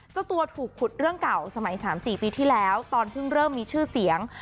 เจ้าตัวถูกขุดเรื่องเก่าสมัย๓๔ปีที่แล้วตอนเพิ่งเริ่มมีชื่อเสียง